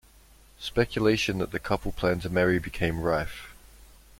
Speculation that the couple planned to marry became rife.